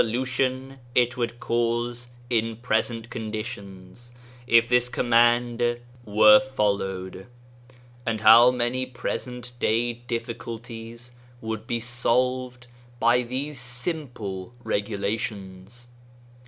18 lution it would cause in present conditions if this command were followed, and how many present day difficulties would be solved by these simple regulations.